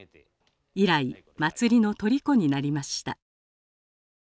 以来祭りのとりこになりました。